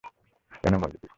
কেন মরলি তুই?